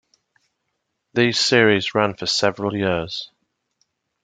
These series ran for several years.